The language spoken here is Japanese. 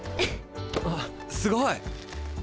あっすごい！